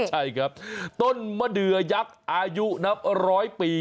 ใช่ครับต้นมะเดือยักษ์อายุนับร้อยปี